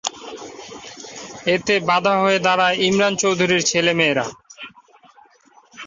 এতে বাধা হয়ে দাঁড়ায় ইমরান চৌধুরীর ছেলেমেয়েরা।